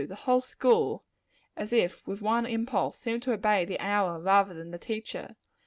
The whole school, as if with one impulse, seemed to obey the hour, rather than the teacher.